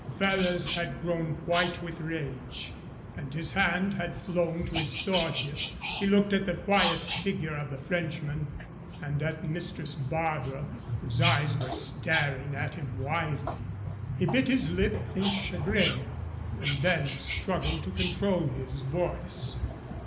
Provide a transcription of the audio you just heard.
Ferrers had grown white with rage, and his hand had flown to his sword hilt. He looked at the quiet figure of the Frenchman and at Mistress Barbara, whose eyes were staring at him widely. He bit his lip in chagrin, and then struggled to control his voice.